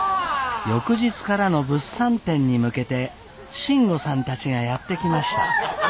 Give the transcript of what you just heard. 翌日からの物産展に向けて信吾さんたちがやって来ました。